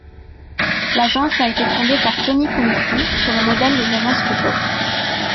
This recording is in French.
L'agence a été fondée par Tony Comiti, sur le modèle des agences photos.